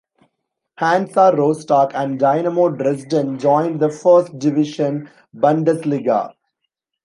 Hansa Rostock" and "Dynamo Dresden" - joined the first division Bundesliga.